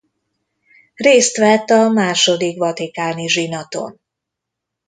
Részt vett a Második vatikáni zsinaton.